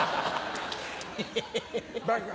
バカ。